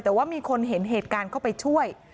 แต่ว่ามีคนเห็นเหตุการณ์เข้าไปช่วย